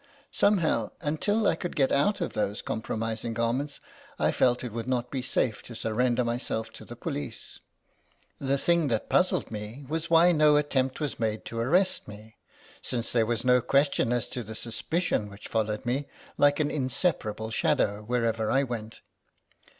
" Somehow, until I could get out of those compromising garments, I felt it would not be safe to surrender myself to the police. The thing that puzzled me was why no attempt was made to arrest me, since there was no question as to the suspicion which followed me, like an inseparable shadow, wherever I went.